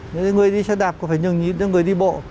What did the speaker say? những người đi xe đạp cũng phải nhường nhịn những người đi bộ